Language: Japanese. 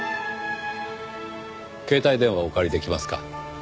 携帯電話をお借りできますか？